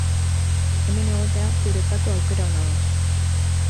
Hemen egotea zuretzako aukera ona da.